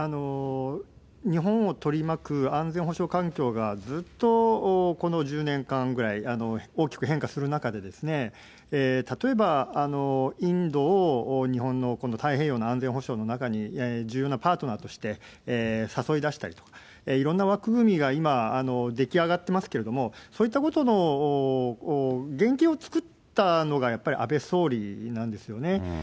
日本を取り巻く安全保障環境が、ずっとこの１０年間ぐらい、大きく変化する中で、例えばインドを日本の今度、太平洋の安全保障の中に、重要なパートナーとして誘い出したりと、いろんな枠組みが今、出来上がってますけれども、そういったことの原形を作ったのがやっぱり安倍総理なんですよね。